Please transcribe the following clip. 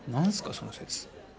その説。